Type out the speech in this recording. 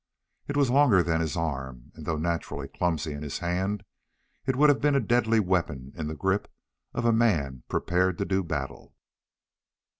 It was longer than his arm and though naturally clumsy in his hand, it would have been a deadly weapon in the grip of a man prepared to do battle.